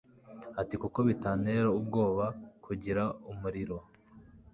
Ati Kuki bitantera ubwoba kugira umuriro